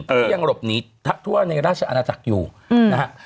ที่ยังรบหนีทักท่ววะไทรทางราชอาณาจักรอยู่นะครับ